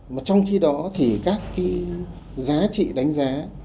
mà trong khi đó thì các cái giá trị đánh giá